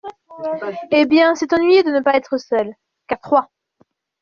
Eh bien, c’est ennuyeux de ne pouvoir être seuls… qu’à trois !…